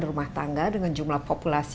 rumah tangga dengan jumlah populasi